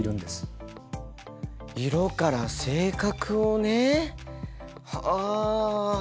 色から性格をねはあ。